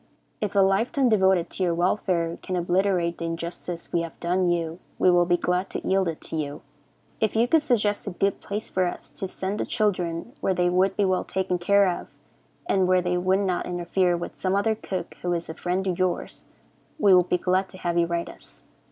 If a life time devoted to your welfare can obliterate the injustice we have done you, we will be glad to yield it to you. If you could suggest a good place for us to send the children, where they would be well taken care of, and where they would not interfere with some other cook who is a friend of yours, we would be glad to have you write us.